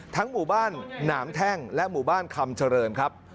หมู่บ้านหนามแท่งและหมู่บ้านคำเจริญครับ